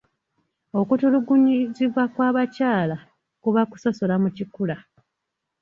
Okutulugunyizibwa kw'abakyala kuba kusosola mu kikula.